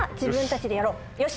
よし！